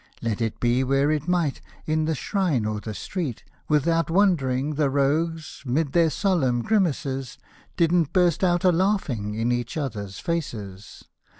Let it be where it might, in the shrine or the street, Without wondering the rogues, 'mid their solemn grimaces. Didn't burst out a laughing in each other's faces.